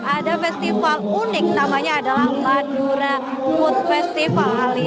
ada festival unik namanya adalah madura food festival